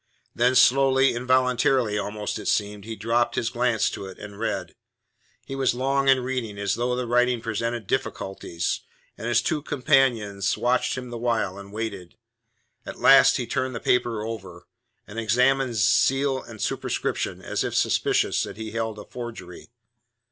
Then slowly, involuntarily almost it seemed, he dropped his glance to it, and read. He was long in reading, as though the writing presented difficulties, and his two companions watched him the while, and waited. At last he turned the paper over, and examined seal and superscription as if suspicious that he held a forgery.